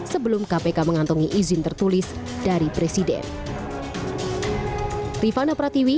sebelum kpk mengantongi izin tertulis dari presiden